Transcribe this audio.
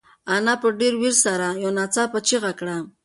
انا په ډېرې وېرې سره یو ناڅاپه چیغه کړه.